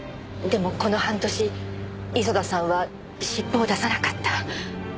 でもこの半年磯田さんは尻尾を出さなかった。